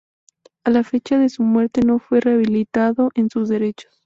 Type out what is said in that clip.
A la fecha de su muerte no fue rehabilitado en sus derechos.